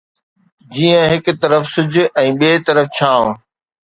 جيئن هڪ طرف سج ۽ ٻئي طرف ڇانو